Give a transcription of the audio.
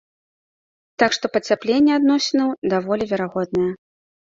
Так што пацяпленне адносінаў даволі верагоднае.